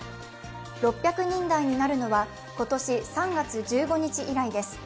６００人台になるのは今年３月１５日以来です。